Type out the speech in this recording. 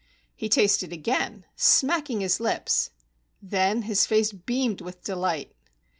He tasted again, smacking his lips. Then his face beamed with delight.